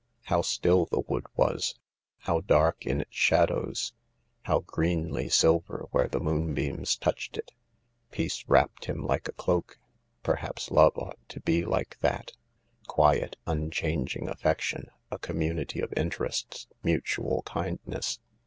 How still the wood was ; how dark in its shadows ; how greenly silver where the moonbeams touched it ! Peace wrapped him like a cloak ; perhaps love ought to be like that '—quiet, unchanging affection, a community of interests, mutual kindness